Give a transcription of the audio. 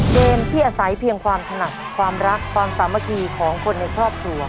เกมที่อาศัยเพียงความถนัดความรักความสามัคคีของคนในครอบครัว